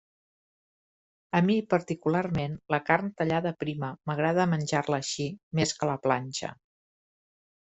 A mi particularment la carn tallada prima m'agrada menjar-la així, més que a la planxa.